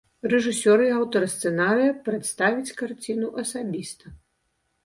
Рэжысёр і аўтар сцэнарыя прадставіць карціну асабіста.